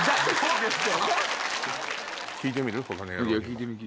聞いてみる？